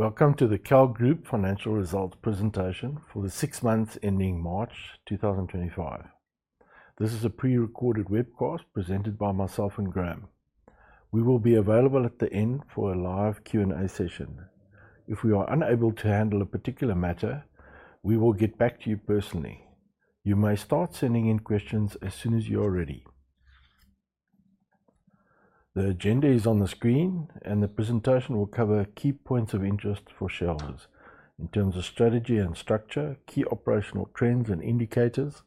Welcome to the KAL Group Financial Results presentation for the six months ending March 2025. This is a pre-recorded webcast presented by myself and Graeme. We will be available at the end for a live Q&A session. If we are unable to handle a particular matter, we will get back to you personally. You may start sending in questions as soon as you are ready. The agenda is on the screen, and the presentation will cover key points of interest for shareholders in terms of strategy and structure, key operational trends and indicators,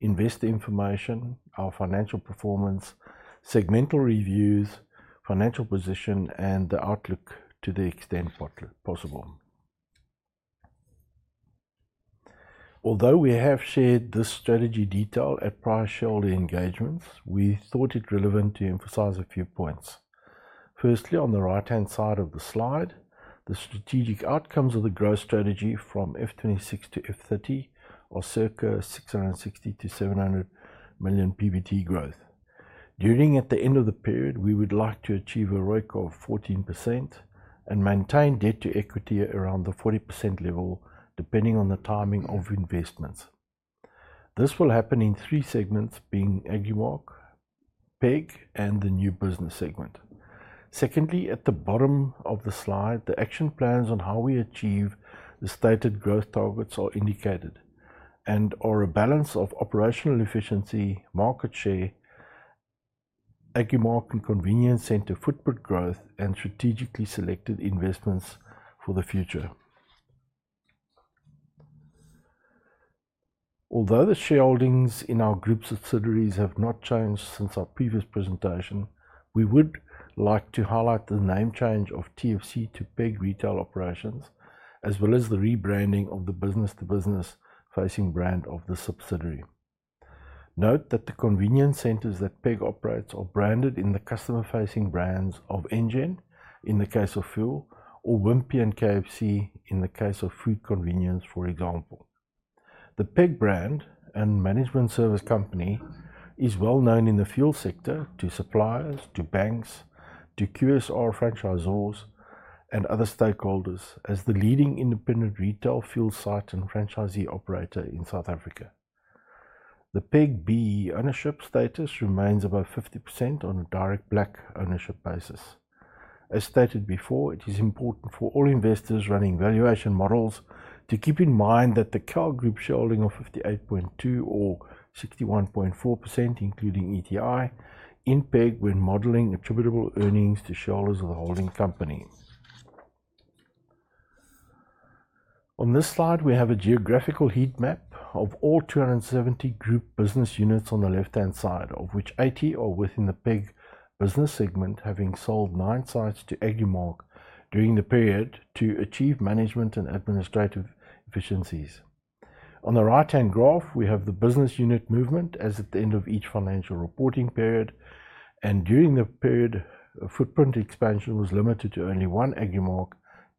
investor information, our financial performance, segmental reviews, financial position, and the outlook to the extent possible. Although we have shared this strategy detail at prior shareholder engagements, we thought it relevant to emphasize a few points. Firstly, on the right-hand side of the slide, the strategic outcomes of the growth strategy from F26 to F30 are circa 660 million-700 million PBT growth. During and at the end of the period, we would like to achieve a ROIC of 14% and maintain debt to equity around the 40% level, depending on the timing of investments. This will happen in three segments being Agrimark, PEG, and the new business segment. Secondly, at the bottom of the slide, the action plans on how we achieve the stated growth targets are indicated and are a balance of operational efficiency, market share, Agrimark and convenience center footprint growth, and strategically selected investments for the future. Although the shareholdings in our group subsidiaries have not changed since our previous presentation, we would like to highlight the name change of TFC to PEG Retail Operations, as well as the rebranding of the business-to-business facing brand of the subsidiary. Note that the convenience centers that PEG operates are branded in the customer-facing brands of Engen in the case of fuel or Wimpy and KFC in the case of food convenience, for example. The PEG brand, a management service company, is well known in the fuel sector to suppliers, to banks, to QSR franchisors, and other stakeholders as the leading independent retail fuel site and franchisee operator in South Africa. The PEG BE ownership status remains above 50% on a direct black ownership basis. As stated before, it is important for all investors running valuation models to keep in mind that the KAL Group shareholding of 58.2% or 61.4%, including ETI, in PEG when modeling attributable earnings to shareholders of the holding company. On this slide, we have a geographical heat map of all 270 group business units on the left-hand side, of which 80 are within the PEG business segment, having sold nine sites to Agrimark during the period to achieve management and administrative efficiencies. On the right-hand graph, we have the business unit movement as at the end of each financial reporting period, and during the period, footprint expansion was limited to only one Agrimark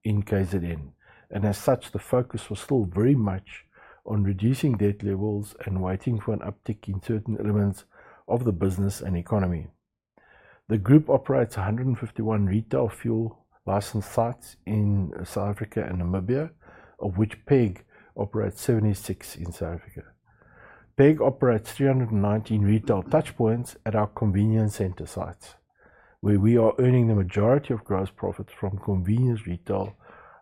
in KZN, and as such, the focus was still very much on reducing debt levels and waiting for an uptick in certain elements of the business and economy. The group operates 151 retail fuel license sites in South Africa and Namibia, of which PEG operates 76 in South Africa. PEG operates 319 retail touchpoints at our convenience center sites, where we are earning the majority of gross profits from convenience retail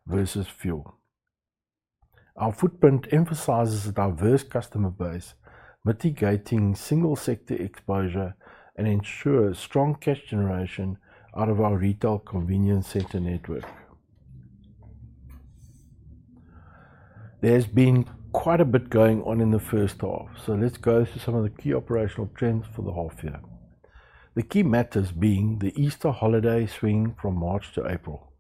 versus fuel. Our footprint emphasizes a diverse customer base, mitigating single-sector exposure, and ensures strong cash generation out of our retail convenience center network. There has been quite a bit going on in the first half, so let's go through some of the key operational trends for the half year. The key matters being the Easter holiday swing from March to April,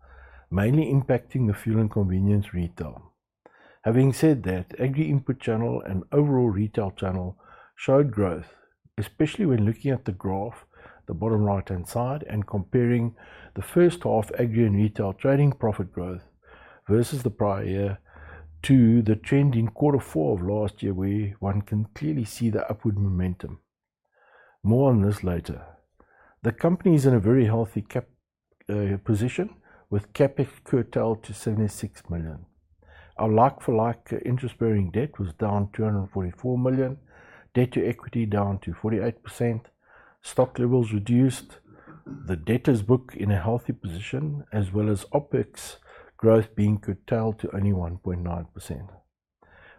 mainly impacting the fuel and convenience retail. Having said that, Agri input channel and overall retail channel showed growth, especially when looking at the graph, the bottom right-hand side, and comparing the first half Agri and retail trading profit growth versus the prior year to the trend in quarter four of last year, where one can clearly see the upward momentum. More on this later. The company is in a very healthy position with CAPEX equatable to 76 million. Our like-for-like interest-bearing debt was down 244 million, debt to equity down to 48%, stock levels reduced, the debtors book in a healthy position, as well as OPEX growth being curtailed to only 1.9%.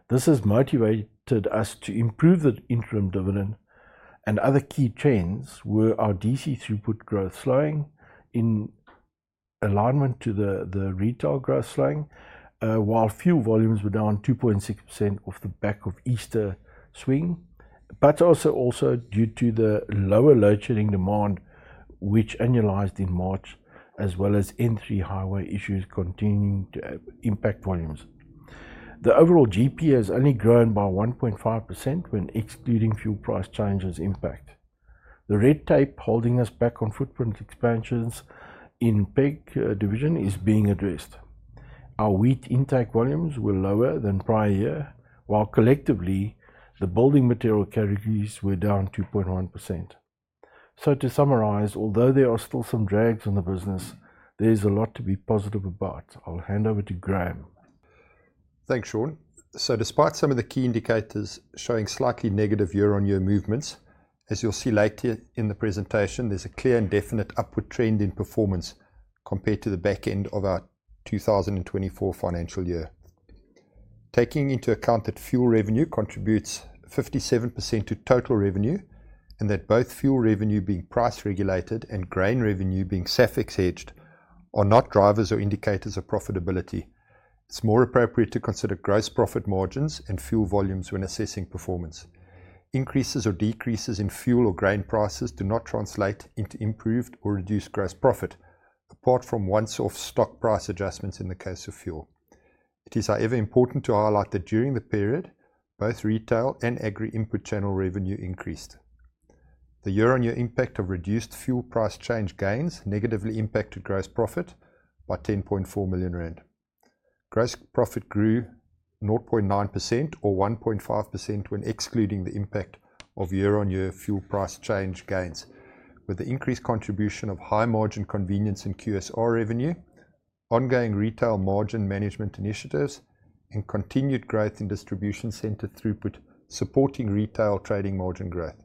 This has motivated us to improve the interim dividend, and other key trends were our DC throughput growth slowing in alignment to the retail growth slowing, while fuel volumes were down 2.6% off the back of Easter swing, but also due to the lower load-shedding demand, which annualized in March, as well as N3 highway issues continuing to impact volumes. The overall GP has only grown by 1.5% when excluding fuel price changes impact. The red tape holding us back on footprint expansions in PEG division is being addressed. Our wheat intake volumes were lower than prior year, while collectively the building material categories were down 2.1%. So to summarize, although there are still some drags on the business, there is a lot to be positive about. I'll hand over to Graeme. Thanks, Sean. Despite some of the key indicators showing slightly negative year-on-year movements, as you'll see later in the presentation, there's a clear and definite upward trend in performance compared to the back end of our 2024 financial year. Taking into account that fuel revenue contributes 57% to total revenue and that both fuel revenue being price regulated and grain revenue being SAFEX hedged are not drivers or indicators of profitability, it's more appropriate to consider gross profit margins and fuel volumes when assessing performance. Increases or decreases in fuel or grain prices do not translate into improved or reduced gross profit, apart from one-off stock price adjustments in the case of fuel. It is, however, important to highlight that during the period, both retail and Agri input channel revenue increased. The year-on-year impact of reduced fuel price change gains negatively impacted gross profit by 10.4 million rand. Gross profit grew 0.9% or 1.5% when excluding the impact of year-on-year fuel price change gains, with the increased contribution of high-margin convenience and QSR revenue, ongoing retail margin management initiatives, and continued growth in distribution center throughput supporting retail trading margin growth.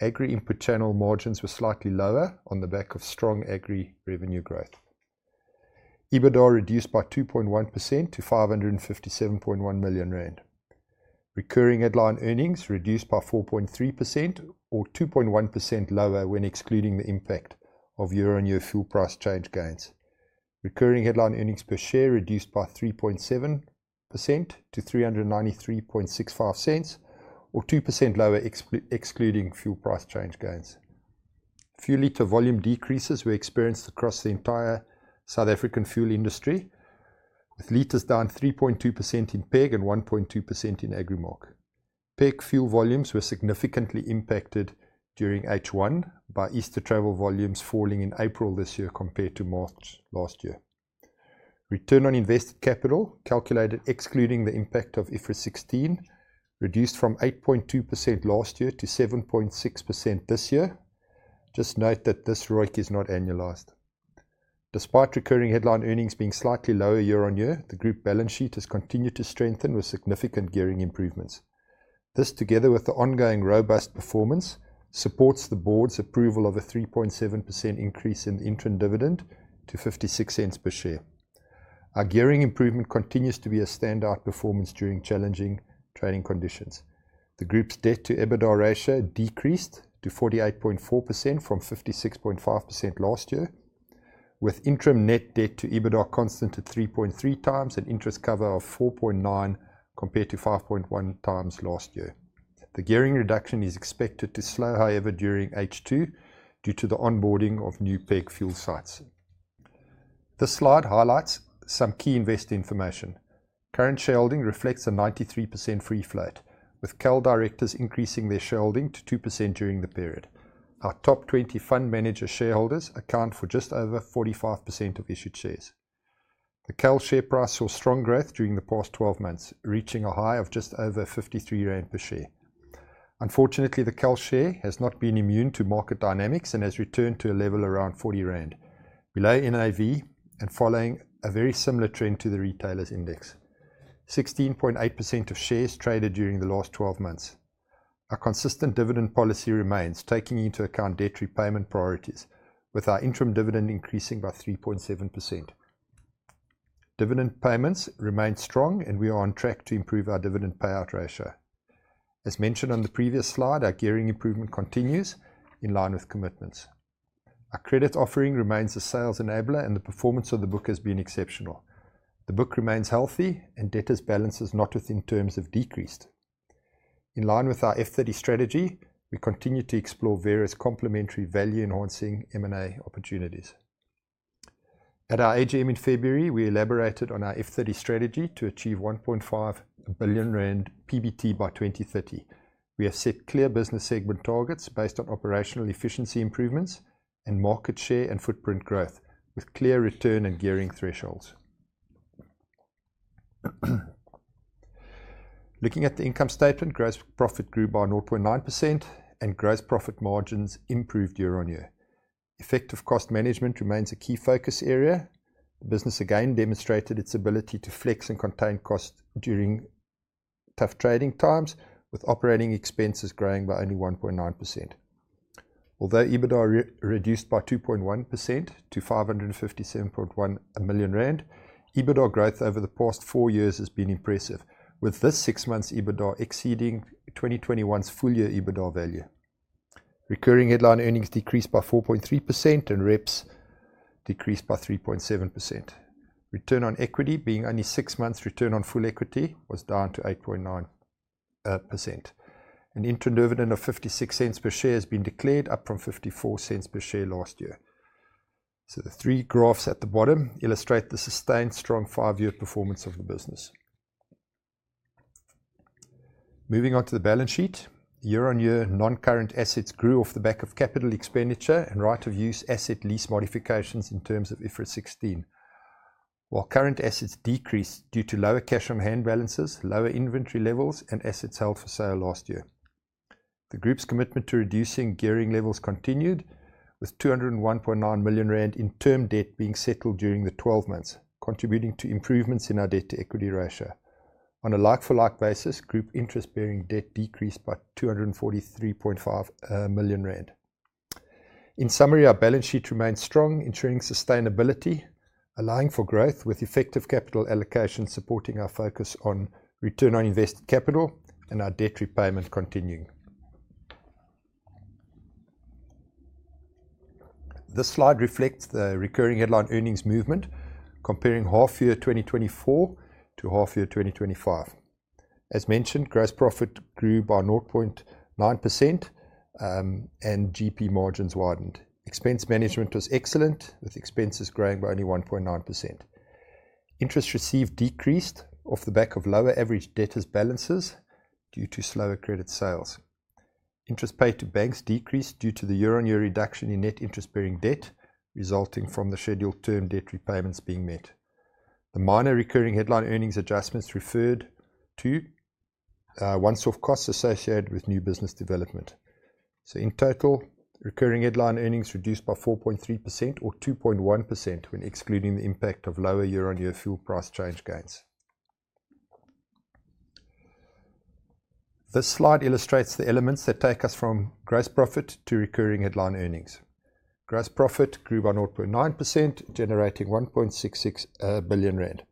Agri input channel margins were slightly lower on the back of strong Agri revenue growth. EBITDA reduced by 2.1% to 557.1 million rand. Recurring headline earnings reduced by 4.3% or 2.1% lower when excluding the impact of year-on-year fuel price change gains. Recurring headline earnings per share reduced by 3.7% to 3.9365 or 2% lower excluding fuel price change gains. Fuel liter volume decreases were experienced across the entire South African fuel industry, with liters down 3.2% in PEG and 1.2% in Agrimark. PEG fuel volumes were significantly impacted during H1 by Easter travel volumes falling in April this year compared to March last year. Return on invested capital calculated excluding the impact of IFRS 16 reduced from 8.2% last year to 7.6% this year. Just note that this ROIC is not annualized. Despite recurring headline earnings being slightly lower year-on-year, the group balance sheet has continued to strengthen with significant gearing improvements. This, together with the ongoing robust performance, supports the board's approval of a 3.7% increase in the interim dividend to 0.56 per share. Our gearing improvement continues to be a standout performance during challenging trading conditions. The group's debt to EBITDA ratio decreased to 48.4% from 56.5% last year, with interim net debt to EBITDA constant at 3.3x and interest cover of 4.9 compared to 5.1x last year. The gearing reduction is expected to slow, however, during H2 due to the onboarding of new PEG fuel sites. This slide highlights some key investor information. Current shareholding reflects a 93% free float, with KAL directors increasing their shareholding to 2% during the period. Our top 20 fund manager shareholders account for just over 45% of issued shares. The KAL share price saw strong growth during the past 12 months, reaching a high of just over 53 rand per share. Unfortunately, the KAL share has not been immune to market dynamics and has returned to a level around 40 rand, below NAV and following a very similar trend to the retailers' index, 16.8% of shares traded during the last 12 months. Our consistent dividend policy remains, taking into account debt repayment priorities, with our interim dividend increasing by 3.7%. Dividend payments remain strong, and we are on track to improve our dividend payout ratio. As mentioned on the previous slide, our gearing improvement continues in line with commitments. Our credit offering remains a sales enabler, and the performance of the book has been exceptional. The book remains healthy, and debtors' balance is not within terms of decreased. In line with our F30 strategy, we continue to explore various complementary value-enhancing M&A opportunities. At our AGM in February, we elaborated on our F30 strategy to achieve 1.5 billion rand PBT by 2030. We have set clear business segment targets based on operational efficiency improvements and market share and footprint growth, with clear return and gearing thresholds. Looking at the income statement, gross profit grew by 0.9%, and gross profit margins improved year-on-year. Effective cost management remains a key focus area. The business again demonstrated its ability to flex and contain costs during tough trading times, with operating expenses growing by only 1.9%. Although EBITDA reduced by 2.1% to 557.1 million rand, EBITDA growth over the past four years has been impressive, with this six-month EBITDA exceeding 2021's full-year EBITDA value. Recurring headline earnings decreased by 4.3% and RHEPS decreased by 3.7%. Return on equity, being only six months' return on full equity, was down to 8.9%. An interim dividend of 0.56 per share has been declared, up from 0.54 per share last year. The three graphs at the bottom illustrate the sustained strong five-year performance of the business. Moving on to the balance sheet, year-on-year non-current assets grew off the back of capital expenditure and right-of-use asset lease modifications in terms of IFRS 16, while current assets decreased due to lower cash on hand balances, lower inventory levels, and assets held for sale last year. The group's commitment to reducing gearing levels continued, with 201.9 million rand in term debt being settled during the 12 months, contributing to improvements in our debt to equity ratio. On a like-for-like basis, group interest-bearing debt decreased by 243.5 million rand. In summary, our balance sheet remains strong, ensuring sustainability, allowing for growth with effective capital allocation supporting our focus on return on invested capital and our debt repayment continuing. This slide reflects the recurring headline earnings movement, comparing half year 2024 to half year 2025. As mentioned, gross profit grew by 0.9%, and GP margins widened. Expense management was excellent, with expenses growing by only 1.9%. Interest received decreased off the back of lower average debtors' balances due to slower credit sales. Interest paid to banks decreased due to the year-on-year reduction in net interest-bearing debt resulting from the scheduled term debt repayments being met. The minor recurring headline earnings adjustments referred to one-off costs associated with new business development. In total, recurring headline earnings reduced by 4.3% or 2.1% when excluding the impact of lower year-on-year fuel price change gains. This slide illustrates the elements that take us from gross profit to recurring headline earnings. Gross profit grew by 0.9%, generating 1.66 billion rand.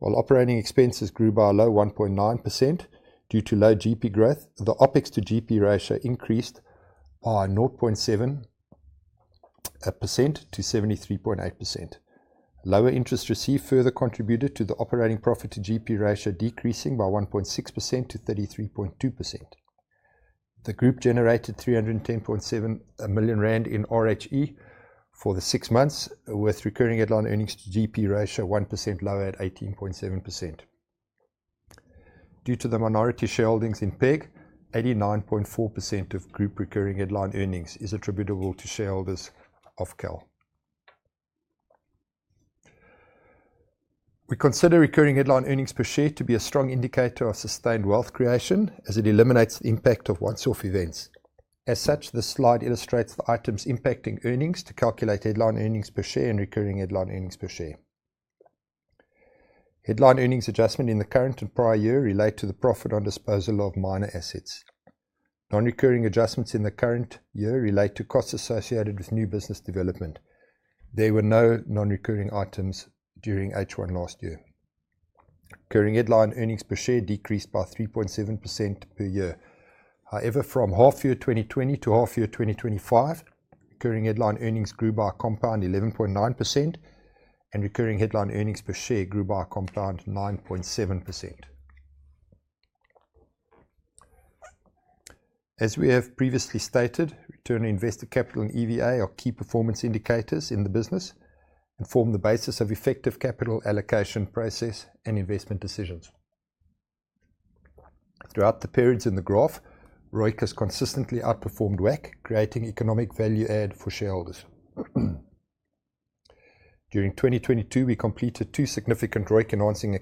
While operating expenses grew by a low 1.9% due to low GP growth, the OPEX to GP ratio increased by 0.7%-73.8%. Lower interest received further contributed to the operating profit to GP ratio decreasing by 1.6%-33.2%. The group generated 310.7 million rand in RHE for the six months, with recurring headline earnings to GP ratio 1% lower at 18.7%. Due to the minority shareholdings in PEG, 89.4% of group recurring headline earnings is attributable to shareholders of KAL. We consider recurring headline earnings per share to be a strong indicator of sustained wealth creation, as it eliminates the impact of one-off events. As such, this slide illustrates the items impacting earnings to calculate headline earnings per share and recurring headline earnings per share. Headline earnings adjustment in the current and prior year relate to the profit on disposal of minor assets. Non-recurring adjustments in the current year relate to costs associated with new business development. There were no non-recurring items during H1 last year. Recurring headline earnings per share decreased by 3.7% per year. However, from half year 2020 to half year 2025, recurring headline earnings grew by a compound 11.9%, and recurring headline earnings per share grew by a compound 9.7%. As we have previously stated, return on invested capital and EVA are key performance indicators in the business and form the basis of effective capital allocation process and investment decisions. Throughout the periods in the graph, ROIC has consistently outperformed WACC, creating economic value add for shareholders. During 2022, we completed two significant ROIC enhancing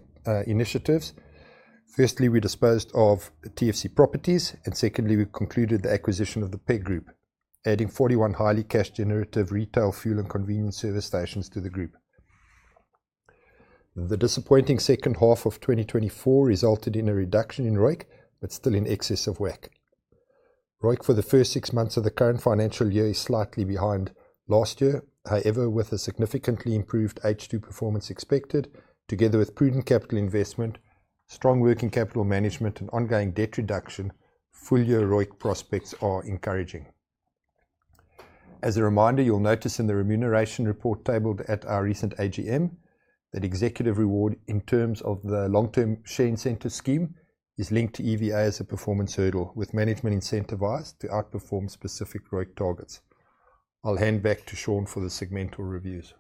initiatives. Firstly, we disposed of TFC properties, and secondly, we concluded the acquisition of the PEG Group, adding 41 highly cash-generative retail fuel and convenience service stations to the group. The disappointing second half of 2024 resulted in a reduction in ROIC, but still in excess of WACC. ROIC for the first six months of the current financial year is slightly behind last year. However, with a significantly improved H2 performance expected, together with prudent capital investment, strong working capital management, and ongoing debt reduction, full-year ROIC prospects are encouraging. As a reminder, you'll notice in the remuneration report tabled at our recent AGM that executive reward in terms of the long-term share incentive scheme is linked to EVA as a performance hurdle, with management incentivized to outperform specific ROIC targets. I'll hand back to Sean for the segmental reviews.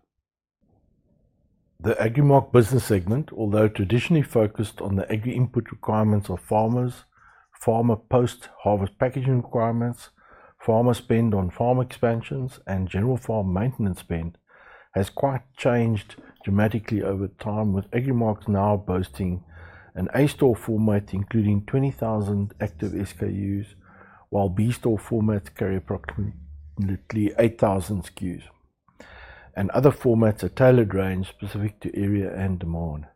The Agrimark business segment, although traditionally focused on the agri input requirements of farmers, farmer post-harvest packaging requirements, farmer spend on farm expansions, and general farm maintenance spend, has quite changed dramatically over time, with Agrimarks now boasting an A store format including 20,000 active SKUs, while B store formats carry approximately 8,000 SKUs. Other formats are tailored range specific to area and demand.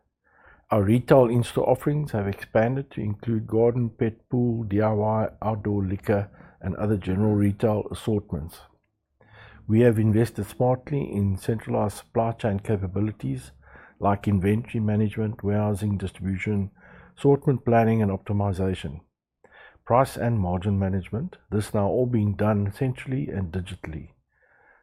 Our retail in-store offerings have expanded to include garden, pet, pool, DIY, outdoor liquor, and other general retail assortments. We have invested smartly in centralized supply chain capabilities like inventory management, warehousing, distribution, assortment planning, and optimization, price and margin management. This is now all being done centrally and digitally.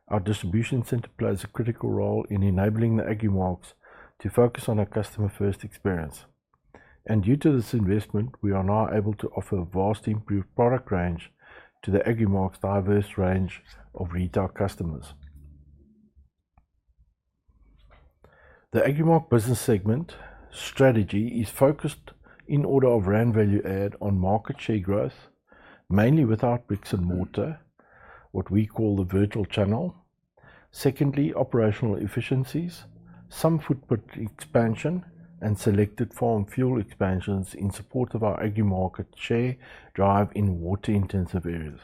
Our distribution center plays a critical role in enabling the Agrimarks to focus on a customer-first experience. Due to this investment, we are now able to offer a vastly improved product range to the Agrimarks' diverse range of retail customers. The Agrimark business segment strategy is focused in order of rand value add on market share growth, mainly without bricks and mortar, what we call the vertical channel. Secondly, operational efficiencies, some footprint expansion, and selected farm fuel expansions in support of our Agrimark market share drive in water-intensive areas.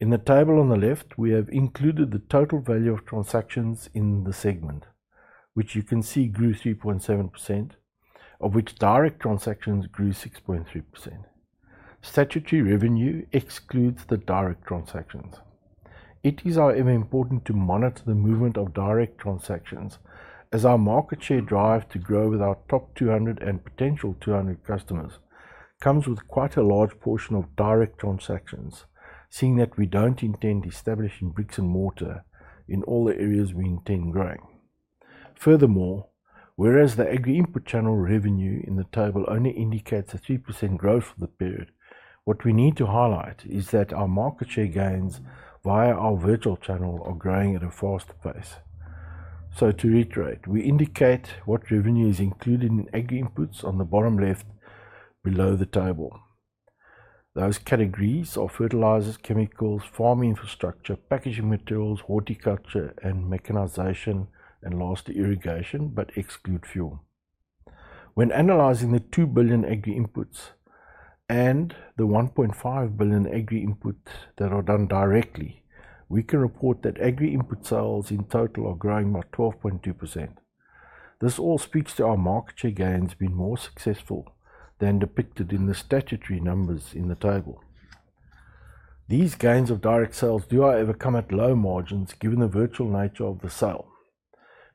In the table on the left, we have included the total value of transactions in the segment, which you can see grew 3.7%, of which direct transactions grew 6.3%. Statutory revenue excludes the direct transactions. It is however important to monitor the movement of direct transactions, as our market share drive to grow with our top 200 and potential 200 customers comes with quite a large portion of direct transactions, seeing that we do not intend establishing bricks and mortar in all the areas we intend growing. Furthermore, whereas the agri input channel revenue in the table only indicates a 3% growth for the period, what we need to highlight is that our market share gains via our virtual channel are growing at a fast pace. To reiterate, we indicate what revenue is included in agri inputs on the bottom left below the table. Those categories are fertilizers, chemicals, farm infrastructure, packaging materials, horticulture, and mechanization and last irrigation, but exclude fuel. When analyzing the 2 billion agri inputs and the 1.5 billion agri inputs that are done directly, we can report that agri input sales in total are growing by 12.2%. This all speaks to our market share gains being more successful than depicted in the statutory numbers in the table. These gains of direct sales do however come at low margins given the virtual nature of the sale.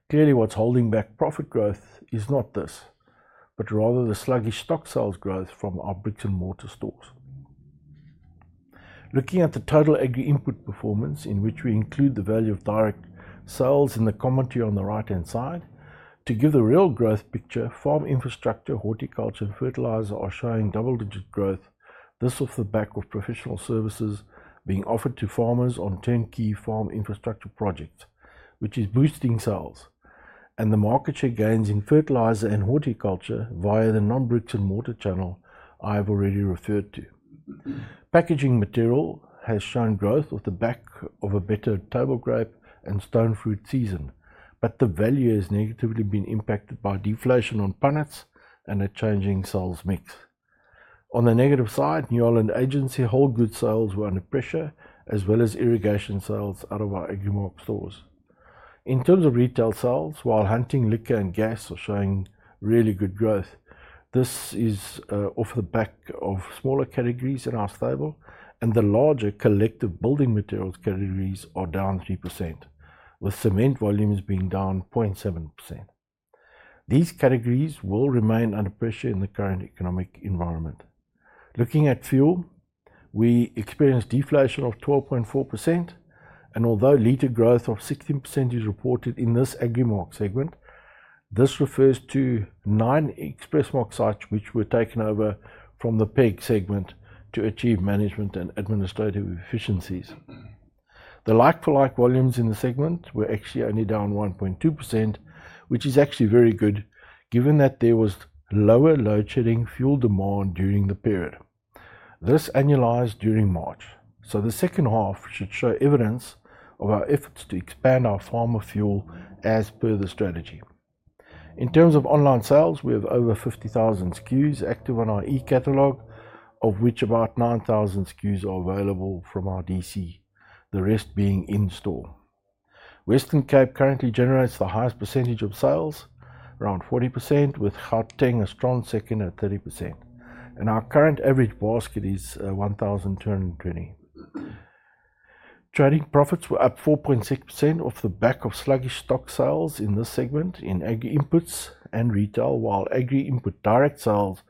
Clearly, what's holding back profit growth is not this, but rather the sluggish stock sales growth from our bricks and mortar stores. Looking at the total agri input performance, in which we include the value of direct sales in the commentary on the right-hand side, to give the real growth picture, farm infrastructure, horticulture, and fertilizer are showing double-digit growth, this off the back of professional services being offered to farmers on 10 key farm infrastructure projects, which is boosting sales. The market share gains in fertilizer and horticulture via the non-bricks and mortar channel I have already referred to. Packaging material has shown growth off the back of a better table grape and stone fruit season, but the value has negatively been impacted by deflation on punnets and a changing sales mix. On the negative side, New Zealand agency whole goods sales were under pressure, as well as irrigation sales out of our Agrimark stores. In terms of retail sales, while hunting, liquor, and gas are showing really good growth, this is off the back of smaller categories in our table, and the larger collective building materials categories are down 3%, with cement volumes being down 0.7%. These categories will remain under pressure in the current economic environment. Looking at fuel, we experience deflation of 12.4%, and although liter growth of 16% is reported in this Agrimark segment, this refers to nine Expressmark sites, which were taken over from the PEG segment to achieve management and administrative efficiencies. The like-for-like volumes in the segment were actually only down 1.2%, which is actually very good given that there was lower load shedding fuel demand during the period. This annualized during March. The second half should show evidence of our efforts to expand our farmer fuel as per the strategy. In terms of online sales, we have over 50,000 SKUs active on our e-catalog, of which about 9,000 SKUs are available from our DC, the rest being in store. Western Cape currently generates the highest percentage of sales, around 40%, with Gauteng a strong second at 30%. Our current average basket is 1,220. Trading profits were up 4.6% off the back of sluggish stock sales in this segment in agri inputs and retail, while agri input direct sales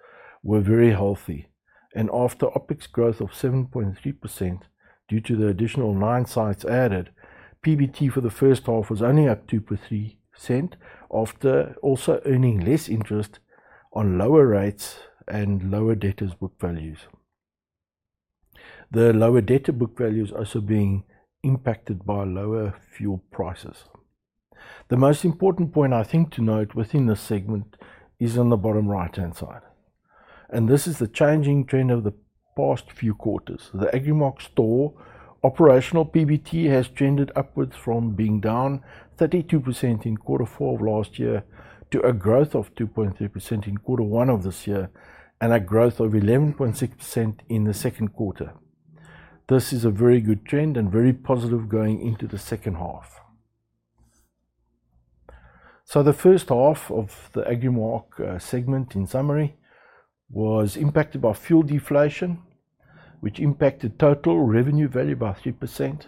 were very healthy. After OPEX growth of 7.3% due to the additional nine sites added, PBT for the first half was only up 2.3% after also earning less interest on lower rates and lower debtors book values. The lower debtor book values also being impacted by lower fuel prices. The most important point I think to note within this segment is on the bottom right-hand side. This is the changing trend of the past few quarters. The Agrimark store operational PBT has trended upwards from being down 32% in quarter four of last year to a growth of 2.3% in quarter one of this year and a growth of 11.6% in the second quarter. This is a very good trend and very positive going into the second half. The first half of the Agrimark segment in summary was impacted by fuel deflation, which impacted total revenue value by 3%,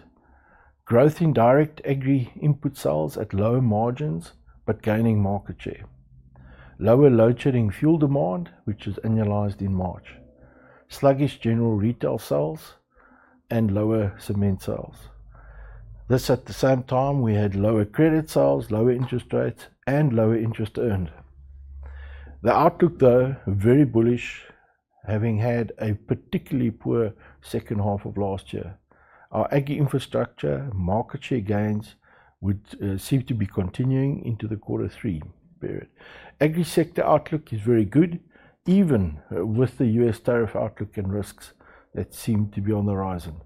growth in direct agri input sales at low margins but gaining market share, lower load shedding fuel demand, which is annualized in March, sluggish general retail sales, and lower cement sales. At the same time we had lower credit sales, lower interest rates, and lower interest earned. The outlook though, very bullish, having had a particularly poor second half of last year. Our agri infrastructure market share gains would seem to be continuing into the quarter three period. Agri sector outlook is very good, even with the US tariff outlook and risks that seem to be on the horizon.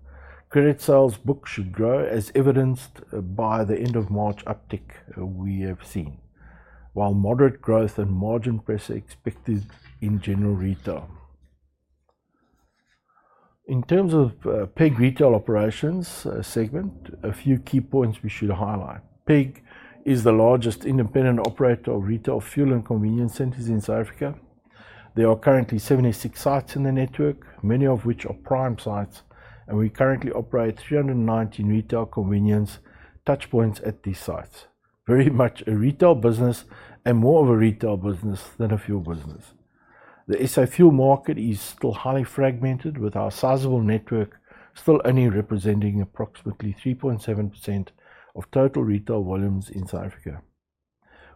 Credit sales book should grow as evidenced by the end of March uptick we have seen, while moderate growth and margin pressure expected in general retail. In terms of PEG retail operations segment, a few key points we should highlight. PEG is the largest independent operator of retail fuel and convenience centers in South Africa. There are currently 76 sites in the network, many of which are prime sites, and we currently operate 319 retail convenience touch points at these sites. Very much a retail business and more of a retail business than a fuel business. The fuel market is still highly fragmented, with our sizable network still only representing approximately 3.7% of total retail volumes in South Africa.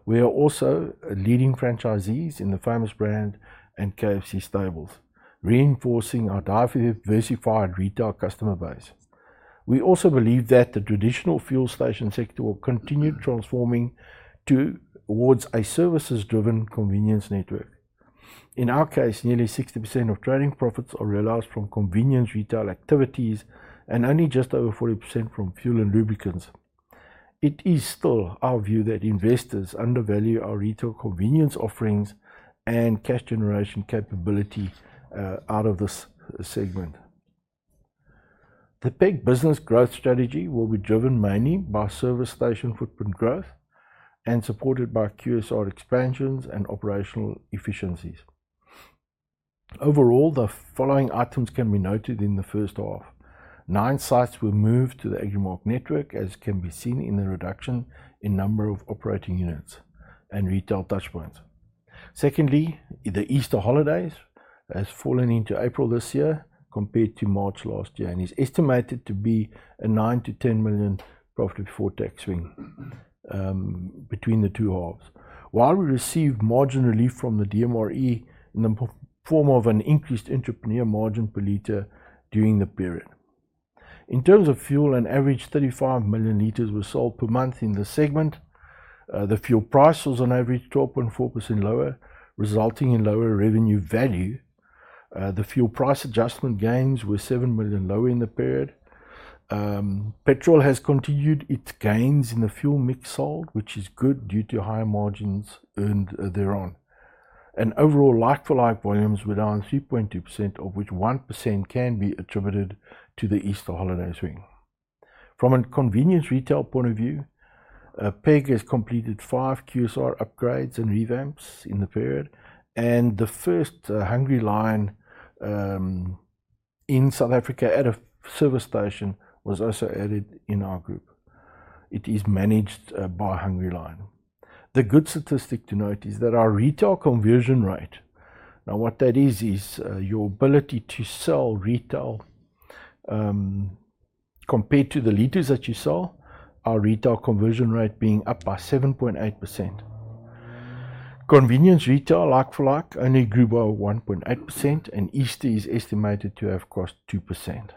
We are also leading franchisees in the Famous Brand and KFC stables, reinforcing our diversified retail customer base. We also believe that the traditional fuel station sector will continue transforming towards a services-driven convenience network. In our case, nearly 60% of trading profits are realized from convenience retail activities and only just over 40% from fuel and lubricants. It is still our view that investors undervalue our retail convenience offerings and cash generation capability out of this segment. The PEG business growth strategy will be driven mainly by service station footprint growth and supported by QSR expansions and operational efficiencies. Overall, the following items can be noted in the first half: nine sites were moved to the Agrimark network, as can be seen in the reduction in number of operating units and retail touch points. Secondly, the Easter holidays has fallen into April this year compared to March last year and is estimated to be a 9 million-10 million profit before tax swing between the two halves, while we received margin relief from the DMRE in the form of an increased entrepreneur margin per liter during the period. In terms of fuel, an average 35 million liters were sold per month in the segment. The fuel price was on average 12.4% lower, resulting in lower revenue value. The fuel price adjustment gains were 7 million lower in the period. Petrol has continued its gains in the fuel mix sold, which is good due to higher margins earned thereon. Overall, like-for-like volumes were down 3.2%, of which 1% can be attributed to the Easter holiday swing. From a convenience retail point of view, PEG has completed five QSR upgrades and revamps in the period, and the first Hungry Lion in South Africa at a service station was also added in our group. It is managed by Hungry Lion. The good statistic to note is that our retail conversion rate, now what that is, is your ability to sell retail compared to the liters that you sell, our retail conversion rate being up by 7.8%. Convenience retail, like-for-like, only grew by 1.8%, and Easter is estimated to have cost 2%.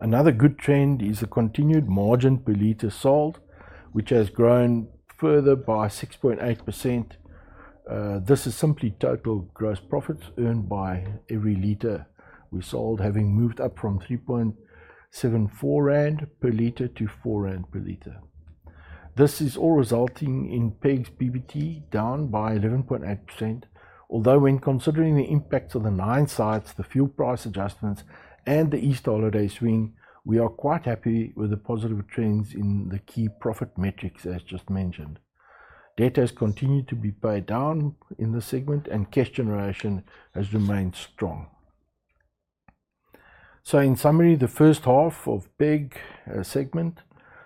Another good trend is the continued margin per liter sold, which has grown further by 6.8%. This is simply total gross profits earned by every liter we sold, having moved up from 3.74 rand per liter to 4 rand per liter. This is all resulting in PEG's PBT down by 11.8%. Although when considering the impact of the nine sites, the fuel price adjustments, and the Easter holiday swing, we are quite happy with the positive trends in the key profit metrics, as just mentioned. Data has continued to be pared down in the segment, and cash generation has remained strong. In summary, the first half of PEG segment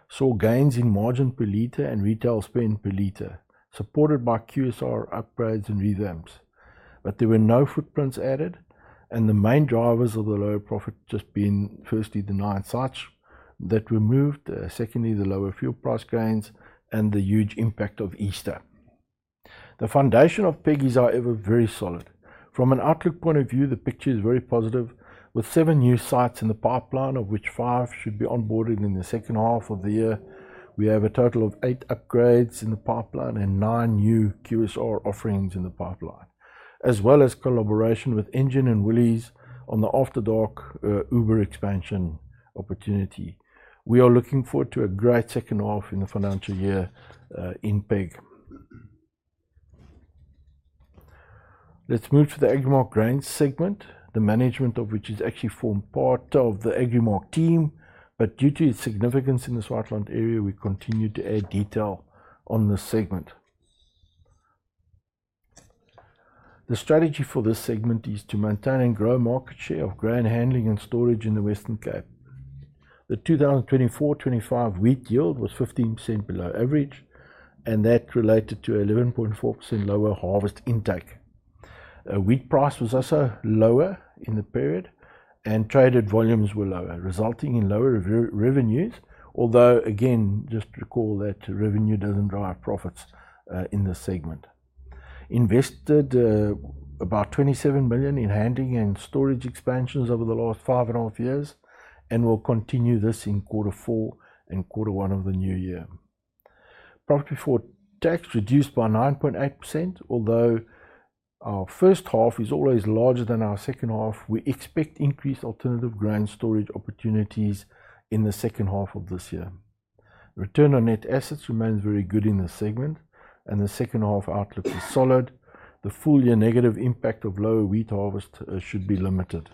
saw gains in margin per liter and retail spend per liter, supported by QSR upgrades and revamps. There were no footprints added, and the main drivers of the lower profit just being firstly the nine sites that were moved, secondly the lower fuel price gains, and the huge impact of Easter. The foundation of PEG is however very solid. From an outlook point of view, the picture is very positive, with seven new sites in the pipeline, of which five should be onboarded in the second half of the year. We have a total of eight upgrades in the pipeline and nine new QSR offerings in the pipeline, as well as collaboration with Engen and Woolies on the off-the-dock Uber expansion opportunity. We are looking forward to a great second half in the financial year in PEG. Let's move to the Agrimark grains segment, the management of which has actually formed part of the Agrimark team, but due to its significance in the Swartland area, we continue to add detail on this segment. The strategy for this segment is to maintain and grow market share of grain handling and storage in the Western Cape. The 2024-2025 wheat yield was 15% below average, and that related to 11.4% lower harvest intake. Wheat price was also lower in the period, and traded volumes were lower, resulting in lower revenues, although again, just recall that revenue doesn't drive profits in this segment. Invested about 27 million in handling and storage expansions over the last five and a half years, and will continue this in quarter four and quarter one of the new year. Profit before tax reduced by 9.8%, although our first half is always larger than our second half, we expect increased alternative grain storage opportunities in the second half of this year. Return on net assets remains very good in this segment, and the second half outlook is solid. The full year negative impact of lower wheat harvest should be limited.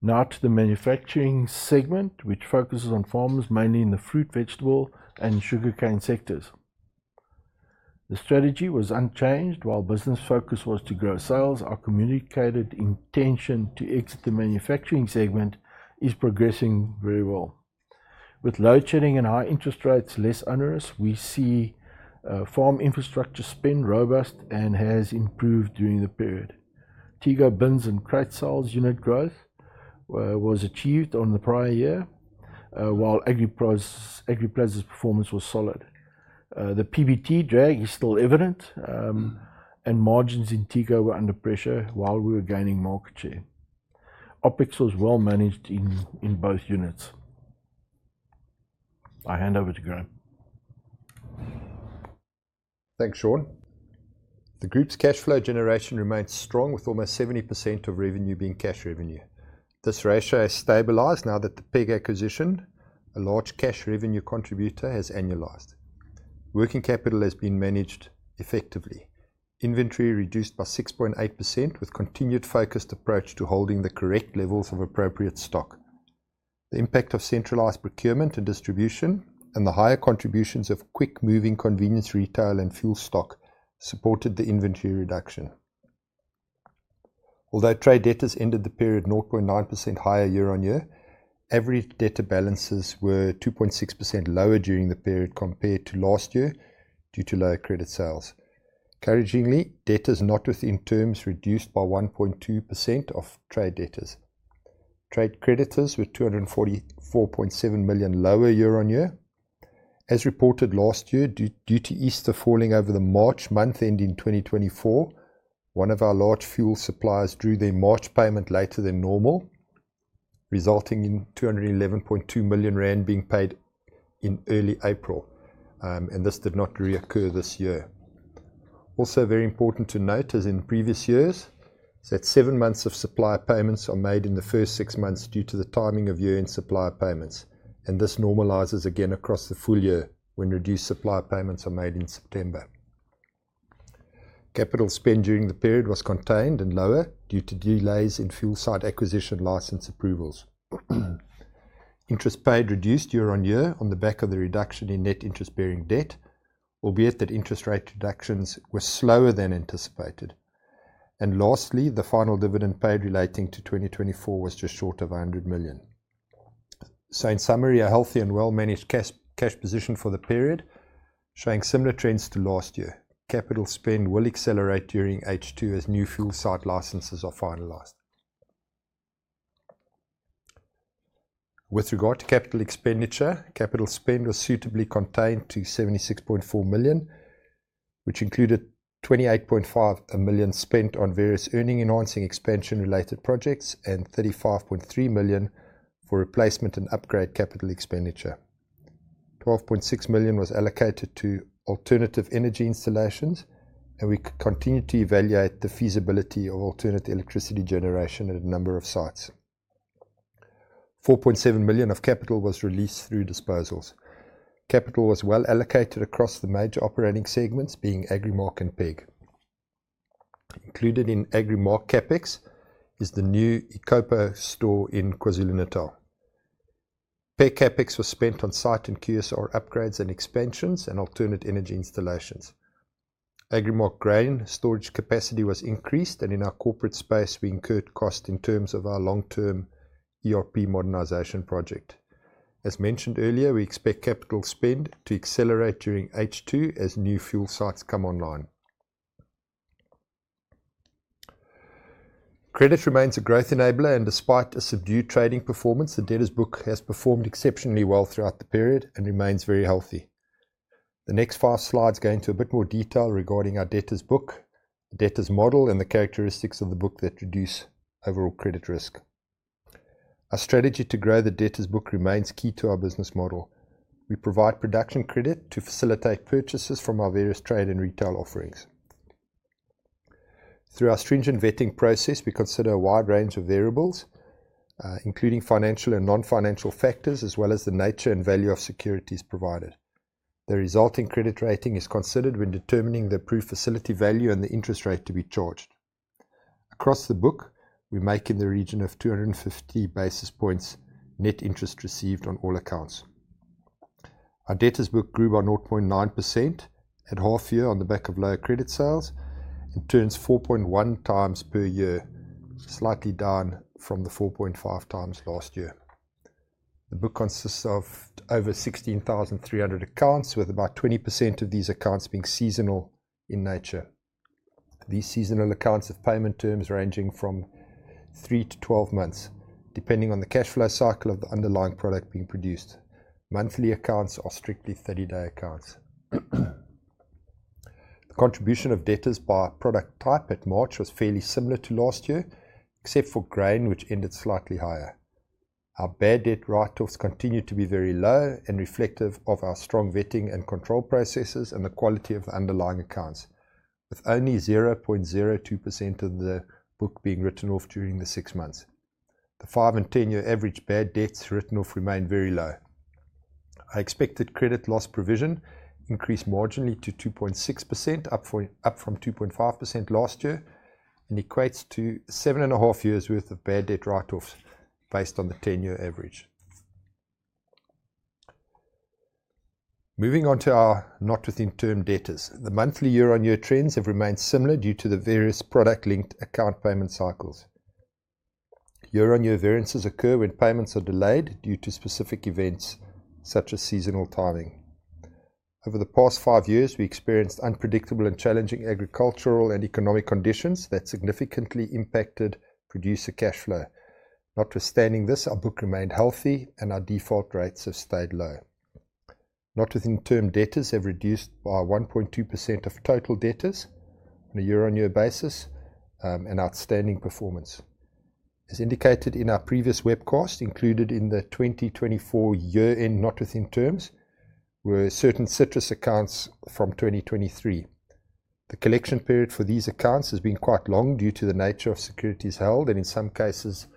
Now to the manufacturing segment, which focuses on farmers mainly in the fruit, vegetable, and sugarcane sectors. The strategy was unchanged while business focus was to grow sales. Our communicated intention to exit the manufacturing segment is progressing very well. With load shedding and high interest rates less onerous, we see farm infrastructure spend robust and has improved during the period. Tego bins and crate sales unit growth was achieved on the prior year, while Agriplas's performance was solid. The PBT drag is still evident, and margins in Tego were under pressure while we were gaining market share. OPEX was well managed in both units. I hand over to Graeme. Thanks, Sean. The group's cash flow generation remains strong, with almost 70% of revenue being cash revenue. This ratio has stabilized now that the PEG acquisition, a large cash revenue contributor, has annualized. Working capital has been managed effectively. Inventory reduced by 6.8%, with continued focused approach to holding the correct levels of appropriate stock. The impact of centralized procurement and distribution and the higher contributions of quick-moving convenience retail and fuel stock supported the inventory reduction. Although trade debtors ended the period 0.9% higher year-on-year, average debtor balances were 2.6% lower during the period compared to last year due to lower credit sales. Courageously, debtors not within terms reduced by 1.2% of trade debtors. Trade creditors were 244.7 million lower year-on-year. As reported last year, due to Easter falling over the March month ending 2024, one of our large fuel suppliers drew their March payment later than normal, resulting in 211.2 million rand being paid in early April, and this did not reoccur this year. Also very important to note as in previous years is that seven months of supply payments are made in the first six months due to the timing of year-end supply payments, and this normalizes again across the full year when reduced supply payments are made in September. Capital spend during the period was contained and lower due to delays in fuel site acquisition license approvals. Interest paid reduced year-on-year on the back of the reduction in net interest-bearing debt, albeit that interest rate reductions were slower than anticipated. Lastly, the final dividend paid relating to 2024 was just short of 100 million. In summary, a healthy and well-managed cash position for the period, showing similar trends to last year. Capital spend will accelerate during H2 as new fuel site licenses are finalized. With regard to capital expenditure, capital spend was suitably contained to 76.4 million, which included 28.5 million spent on various earning enhancing expansion-related projects and 35.3 million for replacement and upgrade capital expenditure. 12.6 million was allocated to alternative energy installations, and we continue to evaluate the feasibility of alternate electricity generation at a number of sites. 4.7 million of capital was released through disposals. Capital was well allocated across the major operating segments, being Agrimark and PEG. Included in Agrimark CAPEX is the new ECOPA store in KwaZulu-Natal. PEG CAPEX was spent on site and QSR upgrades and expansions and alternate energy installations. Agrimark grain storage capacity was increased, and in our corporate space, we incurred costs in terms of our long-term ERP modernization project. As mentioned earlier, we expect capital spend to accelerate during H2 as new fuel sites come online. Credit remains a growth enabler, and despite a subdued trading performance, the debtor's book has performed exceptionally well throughout the period and remains very healthy. The next five slides go into a bit more detail regarding our debtor's book, debtor's model, and the characteristics of the book that reduce overall credit risk. Our strategy to grow the debtor's book remains key to our business model. We provide production credit to facilitate purchases from our various trade and retail offerings. Through our stringent vetting process, we consider a wide range of variables, including financial and non-financial factors, as well as the nature and value of securities provided. The resulting credit rating is considered when determining the approved facility value and the interest rate to be charged. Across the book, we make in the region of 250 basis points net interest received on all accounts. Our debtor's book grew by 0.9% at half year on the back of lower credit sales and turns 4.1x per year, slightly down from the 4.5x last year. The book consists of over 16,300 accounts, with about 20% of these accounts being seasonal in nature. These seasonal accounts have payment terms ranging from 3-12 months, depending on the cash flow cycle of the underlying product being produced. Monthly accounts are strictly 30-day accounts. The contribution of debtors by product type at March was fairly similar to last year, except for grain, which ended slightly higher. Our bad debt write-offs continue to be very low and reflective of our strong vetting and control processes and the quality of underlying accounts, with only 0.02% of the book being written off during the six months. The five and 10-year average bad debts written off remain very low. I expected credit loss provision increased marginally to 2.6%, up from 2.5% last year, and equates to seven and a half years' worth of bad debt write-offs based on the ten-year average. Moving on to our not within term debtors, the monthly year-on-year trends have remained similar due to the various product-linked account payment cycles. Year-on-year variances occur when payments are delayed due to specific events such as seasonal timing. Over the past five years, we experienced unpredictable and challenging agricultural and economic conditions that significantly impacted producer cash flow. Notwithstanding this, our book remained healthy, and our default rates have stayed low. Not within term debtors have reduced by 1.2% of total debtors on a year-on-year basis, an outstanding performance. As indicated in our previous webcast, included in the 2024 year-end not within terms were certain citrus accounts from 2023. The collection period for these accounts has been quite long due to the nature of securities held and, in some cases,